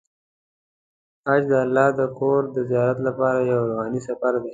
حج د الله د کور د زیارت لپاره یو روحاني سفر دی.